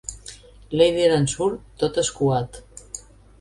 L'èider en surt, tot escuat.